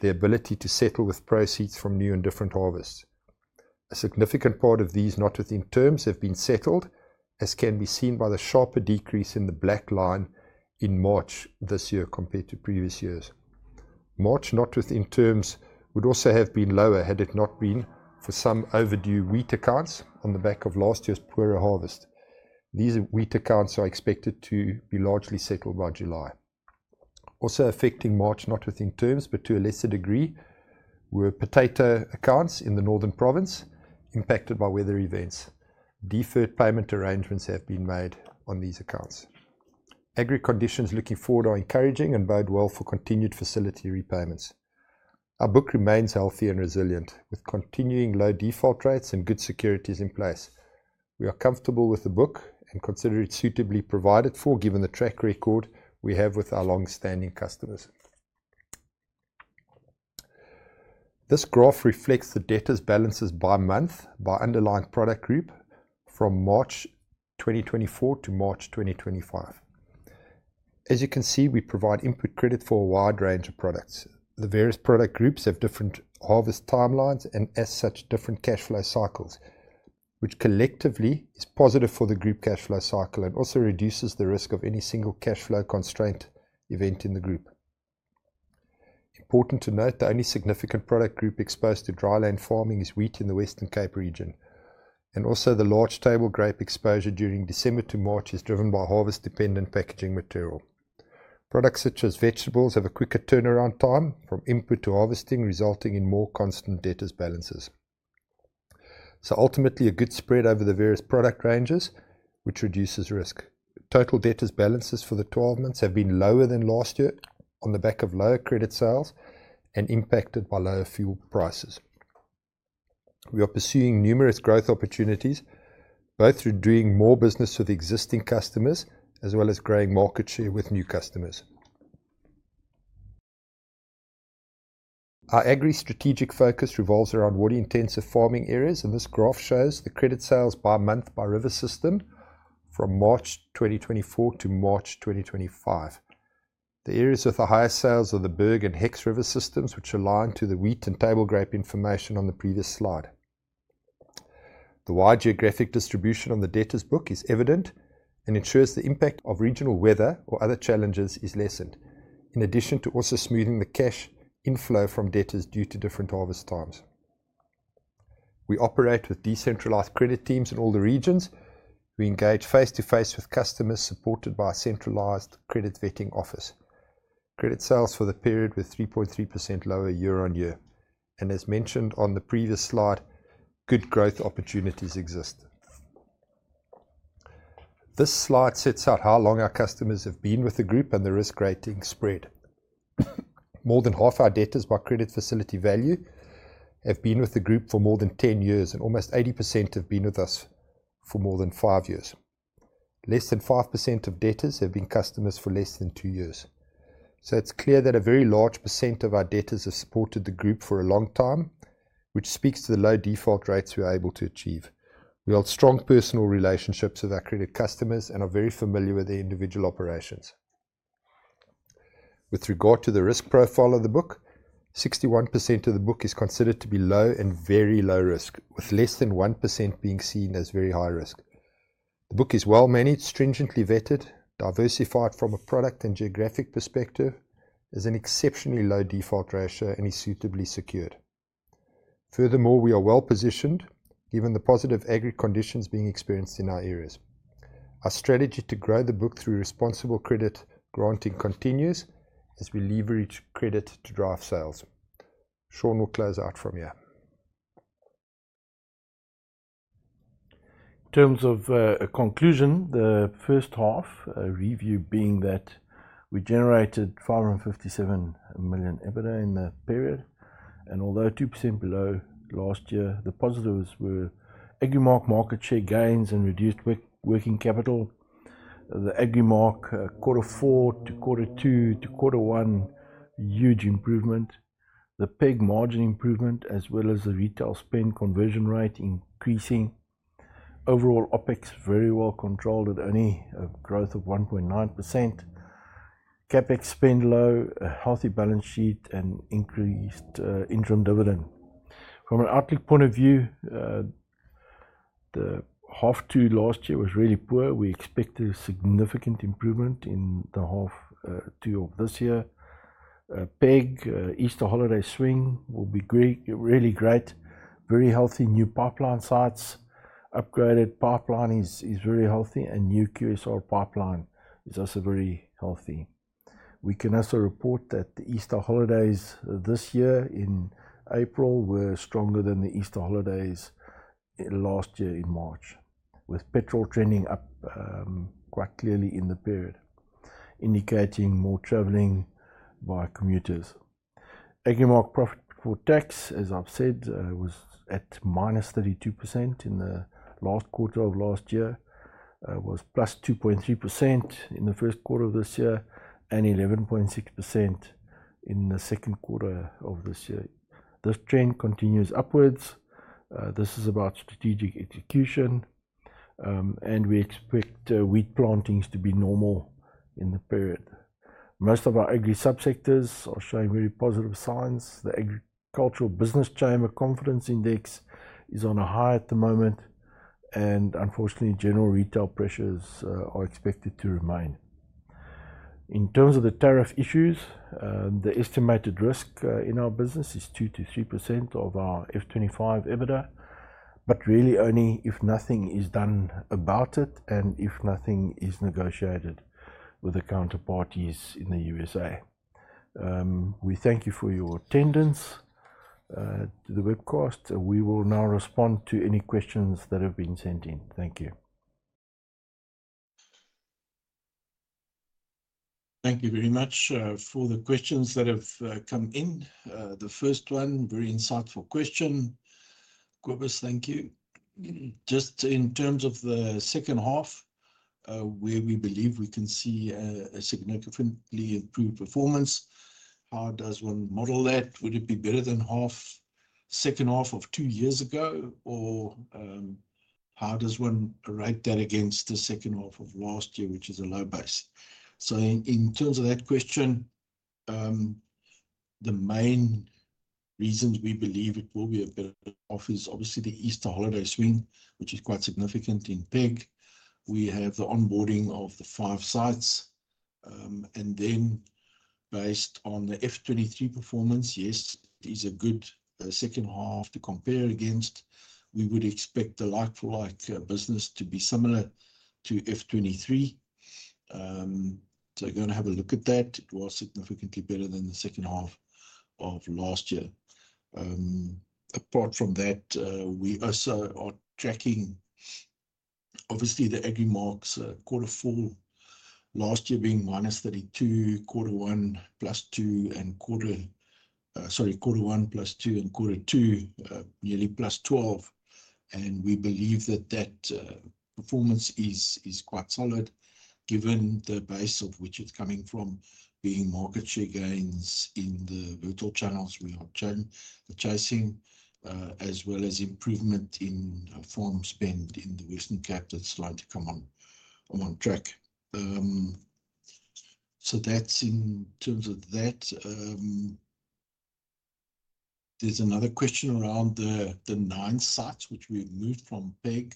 the ability to settle with proceeds from new and different harvests. A significant part of these not within terms have been settled, as can be seen by the sharper decrease in the black line in March this year compared to previous years. March not within terms would also have been lower had it not been for some overdue wheat accounts on the back of last year's poorer harvest. These wheat accounts are expected to be largely settled by July. Also affecting March not within terms, but to a lesser degree, were potato accounts in the Northern Province impacted by weather events. Deferred payment arrangements have been made on these accounts. Agri conditions looking forward are encouraging and bode well for continued facility repayments. Our book remains healthy and resilient, with continuing low default rates and good securities in place. We are comfortable with the book and consider it suitably provided for, given the track record we have with our long-standing customers. This graph reflects the debtor's balances by month by underlying product group from March 2024 to March 2025. As you can see, we provide input credit for a wide range of products. The various product groups have different harvest timelines and, as such, different cash flow cycles, which collectively is positive for the group cash flow cycle and also reduces the risk of any single cash flow constraint event in the group. Important to note, the only significant product group exposed to dry land farming is wheat in the Western Cape region, and also the large table grape exposure during December to March is driven by harvest-dependent packaging material. Products such as vegetables have a quicker turnaround time from input to harvesting, resulting in more constant debtor's balances. Ultimately, a good spread over the various product ranges, which reduces risk. Total debtor's balances for the 12 months have been lower than last year on the back of lower credit sales and impacted by lower fuel prices. We are pursuing numerous growth opportunities, both through doing more business with existing customers as well as growing market share with new customers. Our agri strategic focus revolves around water-intensive farming areas, and this graph shows the credit sales by month by river system from March 2024 to March 2025. The areas with the highest sales are the Berg River and Hex River systems, which align to the wheat and table grape information on the previous slide. The wide geographic distribution on the debtor's book is evident and ensures the impact of regional weather or other challenges is lessened, in addition to also smoothing the cash inflow from debtors due to different harvest times. We operate with decentralized credit teams in all the regions. We engage face-to-face with customers supported by a centralized credit vetting office. Credit sales for the period were 3.3% lower year-on-year, and as mentioned on the previous slide, good growth opportunities exist. This slide sets out how long our customers have been with the group and the risk rating spread. More than half our debtors by credit facility value have been with the group for more than 10 years, and almost 80% have been with us for more than five years. Less than 5% of debtors have been customers for less than two years. It is clear that a very large percent of our debtors have supported the group for a long time, which speaks to the low default rates we are able to achieve. We hold strong personal relationships with our credit customers and are very familiar with their individual operations. With regard to the risk profile of the book, 61% of the book is considered to be low and very low risk, with less than 1% being seen as very high risk. The book is well managed, stringently vetted, diversified from a product and geographic perspective, is an exceptionally low default ratio, and is suitably secured. Furthermore, we are well positioned, given the positive agri conditions being experienced in our areas. Our strategy to grow the book through responsible credit granting continues as we leverage credit to drive sales. Sean will close out from here. In terms of conclusion, the first half review being that we generated 557 million EBITDA in the period, and although 2% below last year, the positives were Agrimark market share gains and reduced working capital. The Agrimark Quarter 4 to Quarter 2 to Quarter 1, huge improvement. The PEG margin improvement, as well as the retail spend conversion rate increasing. Overall, OPEX very well controlled at only a growth of 1.9%. CAPEX spend low, a healthy balance sheet, and increased interim dividend. From an outlook point of view, the half two last year was really poor. We expected a significant improvement in the half two of this year. PEG, Easter holiday swing will be really great. Very healthy new pipeline sites. Upgraded pipeline is very healthy, and new QSR pipeline is also very healthy. We can also report that the Easter holidays this year in April were stronger than the Easter holidays last year in March, with petrol trending up quite clearly in the period, indicating more traveling by commuters. Agrimark profit before tax, as I've said, was at -32% in the last quarter of last year, was +2.3% in the first quarter of this year, and 11.6% in the second quarter of this year. This trend continues upwards. This is about strategic execution, and we expect wheat plantings to be normal in the period. Most of our agri subsectors are showing very positive signs. The agricultural business chain confidence index is on a high at the moment, and unfortunately, general retail pressures are expected to remain. In terms of the tariff issues, the estimated risk in our business is 2%-3% of our F25 EBITDA, but really only if nothing is done about it and if nothing is negotiated with the counterparties in the U.S.A. We thank you for your attendance to the webcast. We will now respond to any questions that have been sent in. Thank you. Thank you very much for the questions that have come in. The first one, very insightful question. [Kwabus], thank you. Just in terms of the second half, where we believe we can see a significantly improved performance, how does one model that? Would it be better than half, second half of two years ago, or how does one rate that against the second half of last year, which is a low base? In terms of that question, the main reasons we believe it will be a bit off is obviously the Easter holiday swing, which is quite significant in PEG. We have the onboarding of the five sites, and then based on the F23 performance, yes, it is a good second half to compare against. We would expect the like-for-like business to be similar to F23. Going to have a look at that. It was significantly better than the second half of last year. Apart from that, we also are tracking, obviously, the Agrimark's Q4 last year being -32, Q1 +2, and Q1 +2 and Q2 nearly +12. We believe that that performance is quite solid, given the base of which it's coming from, being market share gains in the virtual channels we are chasing, as well as improvement in farm spend in the Western Cape that's starting to come on track. That's in terms of that. There's another question around the nine sites, which we've moved from PEG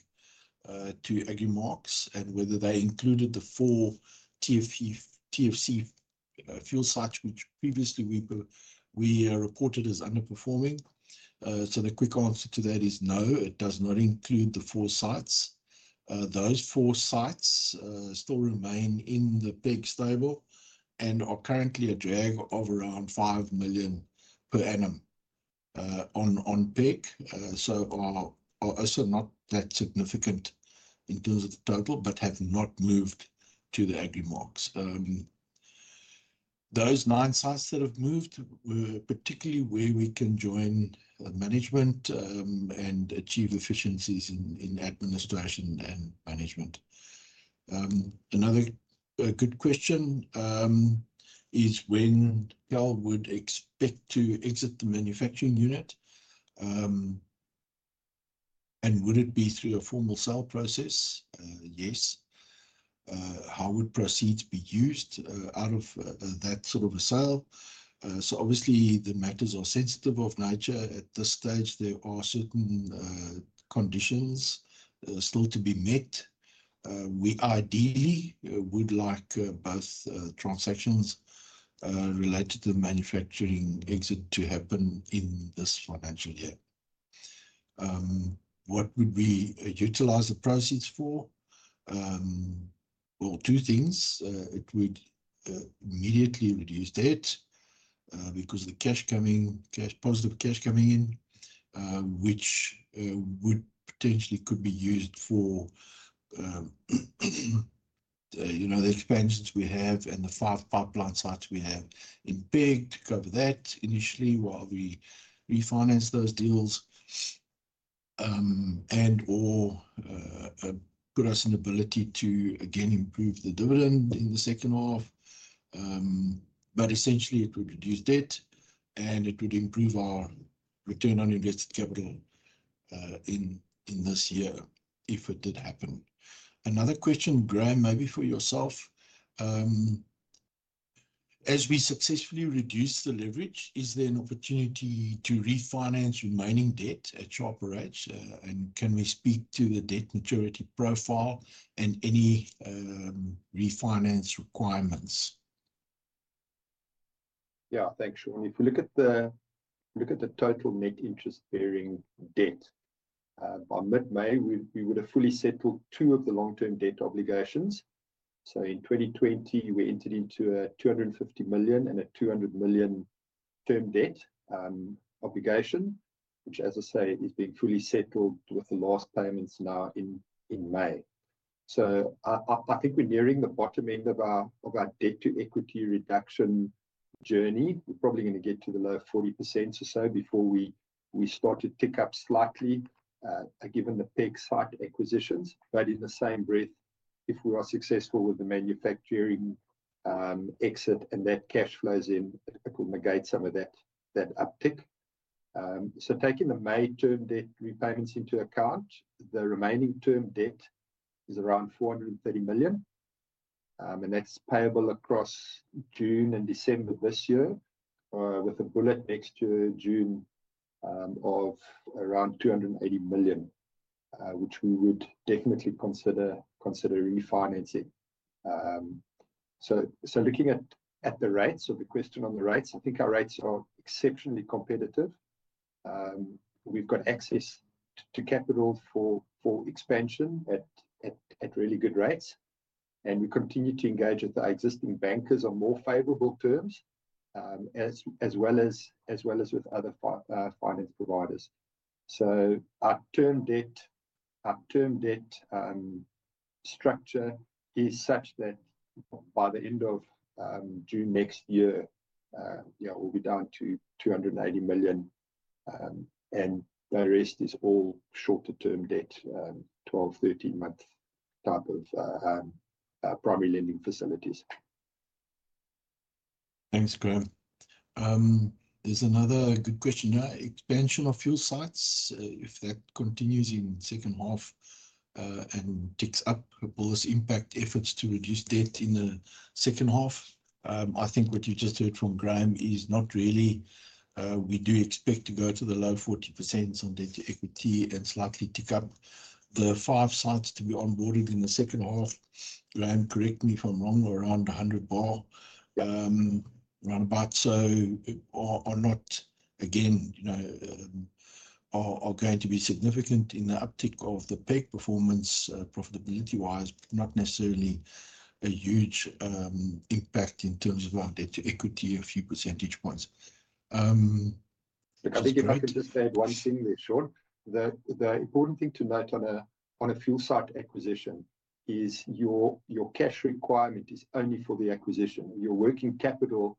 to Agrimarks and whether they included the four TFC fuel sites, which previously we reported as underperforming. The quick answer to that is no, it does not include the four sites. Those four sites still remain in the PEG stable and are currently a drag of around 5 million per annum on PEG. They are also not that significant in terms of the total, but have not moved to the Agrimarks. Those nine sites that have moved were particularly where we can join management and achieve efficiencies in administration and management. Another good question is when KAL would expect to exit the manufacturing unit, and would it be through a formal sale process? Yes. How would proceeds be used out of that sort of a sale? Obviously, the matters are sensitive of nature. At this stage, there are certain conditions still to be met. We ideally would like both transactions related to the manufacturing exit to happen in this financial year. What would we utilize the proceeds for? Two things. It would immediately reduce debt because of the cash coming, cash positive cash coming in, which would potentially could be used for the expansions we have and the five pipeline sites we have in PEG to cover that initially while we refinance those deals and/or put us in ability to again improve the dividend in the second half. Essentially, it would reduce debt and it would improve our return on invested capital in this year if it did happen. Another question, Graeme, maybe for yourself. As we successfully reduce the leverage, is there an opportunity to refinance remaining debt at sharper edge? Can we speak to the debt maturity profile and any refinance requirements? Yeah, thanks, Sean. If we look at the total net interest-bearing debt, by mid-May, we would have fully settled two of the long-term debt obligations. In 2020, we entered into a 250 million and a 200 million term debt obligation, which, as I say, is being fully settled with the last payments now in May. I think we're nearing the bottom end of our debt-to-equity reduction journey. We're probably going to get to the low 40% or so before we start to tick up slightly given the PEG site acquisitions. In the same breath, if we are successful with the manufacturing exit and that cash flows in, it will negate some of that uptick. Taking the May term debt repayments into account, the remaining term debt is around 430 million, and that's payable across June and December this year, with a bullet next year June of around 280 million, which we would definitely consider refinancing. Looking at the rates, or the question on the rates, I think our rates are exceptionally competitive. We've got access to capital for expansion at really good rates, and we continue to engage with our existing bankers on more favorable terms, as well as with other finance providers. Our term debt structure is such that by the end of June next year, we'll be down to 280 million, and the rest is all shorter-term debt, 12-13 month type of primary lending facilities. Thanks, Graeme. There's another good question. Expansion of fuel sites, if that continues in the second half and ticks up, will this impact efforts to reduce debt in the second half? I think what you just heard from Graeme is not really. We do expect to go to the low 40% on debt-to-equity and slightly tick up the five sites to be onboarded in the second half. Graeme, correct me if I'm wrong, around 100 million, around about, so are not, again, are going to be significant in the uptick of the PEG performance profitability-wise, but not necessarily a huge impact in terms of our debt-to-equity, a few percentage points. I think if I can just add one thing there, Sean, the important thing to note on a fuel site acquisition is your cash requirement is only for the acquisition. Your working capital,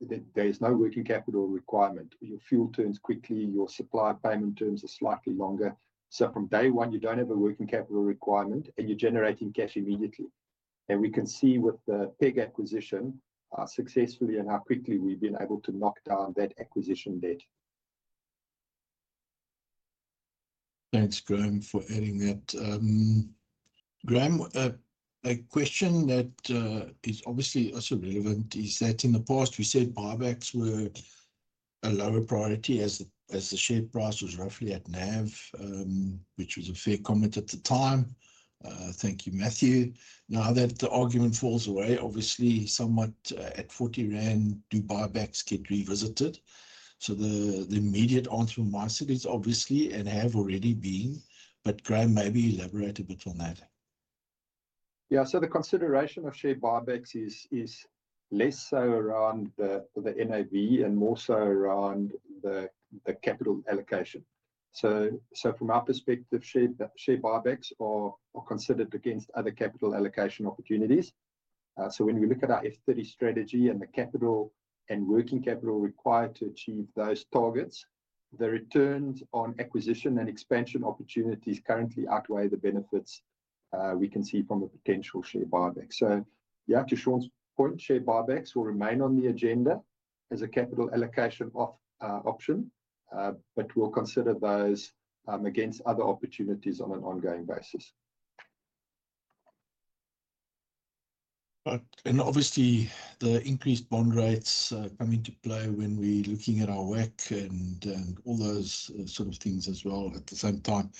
there is no working capital requirement. Your fuel turns quickly, your supply payment terms are slightly longer. From day one, you do not have a working capital requirement, and you are generating cash immediately. We can see with the PEG acquisition how successfully and how quickly we've been able to knock down that acquisition debt. Thanks, Graeme, for adding that. Graeme, a question that is obviously also relevant is that in the past, we said buybacks were a lower priority as the share price was roughly at NAV, which was a fair comment at the time. Thank you, Matthew. Now that the argument falls away, obviously, somewhat at 40 rand, do buybacks get revisited? The immediate answer from my side is obviously, and have already been, but Graeme, maybe elaborate a bit on that. Yeah, the consideration of share buybacks is less so around the NAV and more so around the capital allocation. From our perspective, share buybacks are considered against other capital allocation opportunities. When we look at our F30 strategy and the capital and working capital required to achieve those targets, the returns on acquisition and expansion opportunities currently outweigh the benefits we can see from a potential share buyback. Yeah, to Sean's point, share buybacks will remain on the agenda as a capital allocation option, but we'll consider those against other opportunities on an ongoing basis. Obviously, the increased bond rates come into play when we're looking at our WACC and all those sort of things as well at the same time.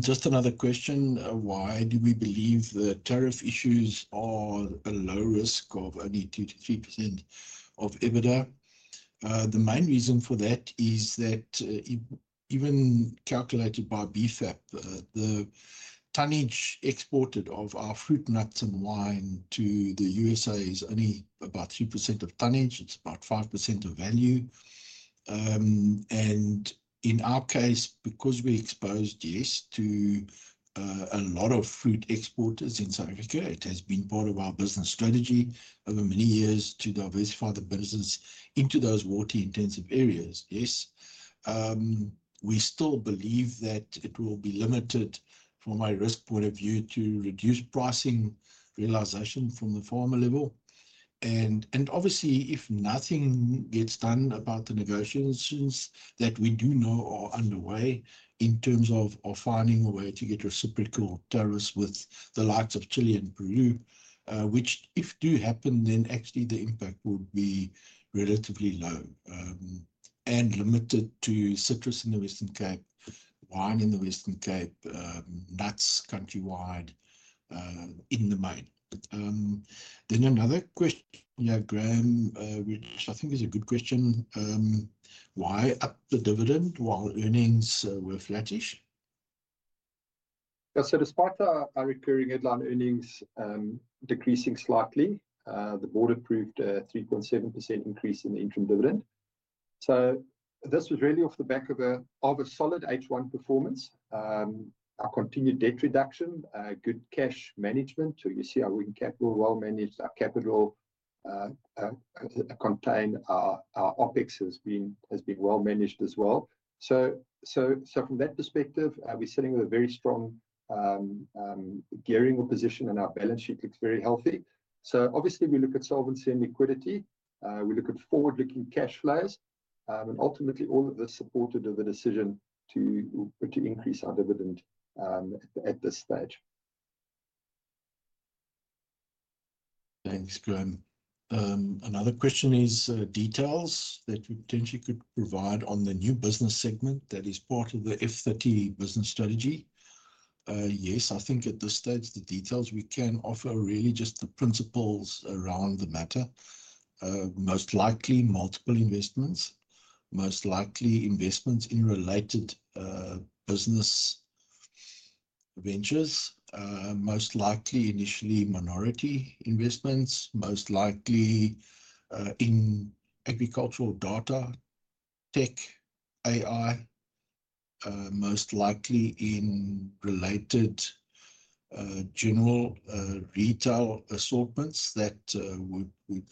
Just another question, why do we believe the tariff issues are a low risk of only 2-3% of EBITDA? The main reason for that is that even calculated by BFAP, the tonnage exported of our fruit, nuts, and wine to the USA is only about 3% of tonnage. It's about 5% of value. In our case, because we're exposed, yes, to a lot of fruit exporters in South Africa, it has been part of our business strategy over many years to diversify the business into those water-intensive areas, yes. We still believe that it will be limited from a risk point of view to reduce pricing realization from the farmer level. Obviously, if nothing gets done about the negotiations that we do know are underway in terms of finding a way to get reciprocal tariffs with the likes of Chile and Peru, which if they do happen, then actually the impact would be relatively low and limited to citrus in the Western Cape, wine in the Western Cape, nuts countrywide in the main. Another question, Graeme, which I think is a good question, why up the dividend while earnings were flattish? Despite our recurring headline earnings decreasing slightly, the board approved a 3.7% increase in the interim dividend. This was really off the back of a solid H1 performance, our continued debt reduction, good cash management. You see our working capital well managed, our capital contained, our OPEX has been well managed as well. From that perspective, we're sitting with a very strong gearing position, and our balance sheet looks very healthy. Obviously, we look at solvency and liquidity. We look at forward-looking cash flows. Ultimately, all of this supported the decision to increase our dividend at this stage. Thanks, Graeme. Another question is details that we potentially could provide on the new business segment that is part of the F30 business strategy. I think at this stage, the details we can offer are really just the principles around the matter. Most likely multiple investments, most likely investments in related business ventures, most likely initially minority investments, most likely in agricultural data, tech, AI, most likely in related general retail assortments that would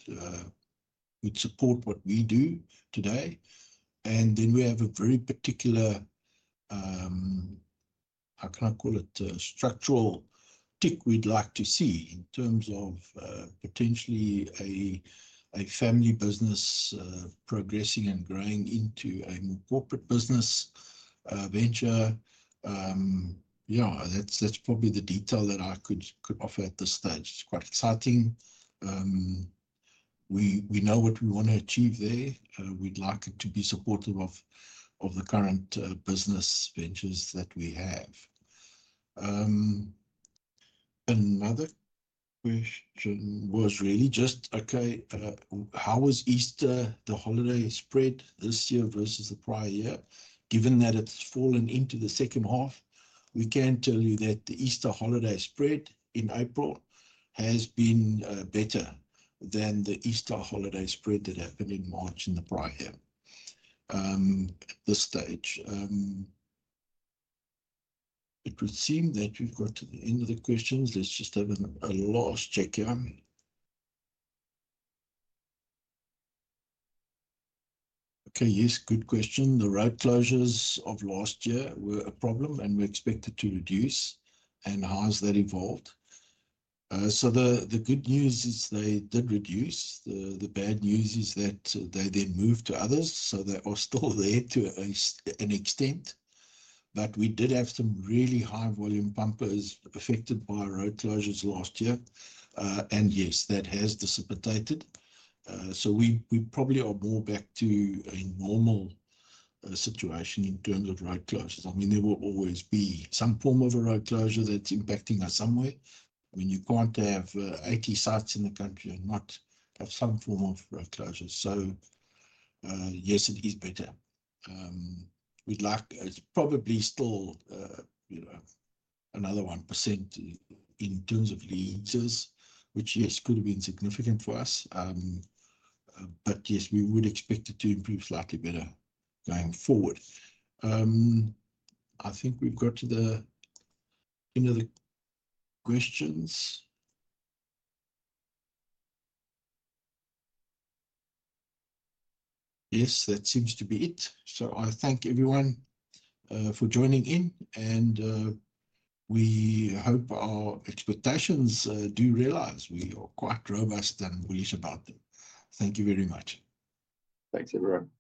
support what we do today. We have a very particular, how can I call it, structural tick we'd like to see in terms of potentially a family business progressing and growing into a more corporate business venture. Yeah, that's probably the detail that I could offer at this stage. It's quite exciting. We know what we want to achieve there. We'd like it to be supportive of the current business ventures that we have. Another question was really just, okay, how was Easter, the holiday spread this year versus the prior year? Given that it's fallen into the second half, we can tell you that the Easter holiday spread in April has been better than the Easter holiday spread that happened in March in the prior year. At this stage, it would seem that we've got to the end of the questions. Let's just have a last check here. Okay, yes, good question. The road closures of last year were a problem, and we expected to reduce. How has that evolved? The good news is they did reduce. The bad news is that they then moved to others, so they are still there to an extent. We did have some really high volume bumpers affected by road closures last year. Yes, that has precipitated. We probably are more back to a normal situation in terms of road closures. I mean, there will always be some form of a road closure that's impacting us somewhere. I mean, you can't have 80 sites in the country and not have some form of road closure. Yes, it is better. It's probably still another 1% in terms of leases, which, yes, could have been significant for us. Yes, we would expect it to improve slightly better going forward. I think we've got to the end of the questions. Yes, that seems to be it. I thank everyone for joining in, and we hope our expectations do realize. We are quite robust and bullish about them. Thank you very much. Thanks, everyone.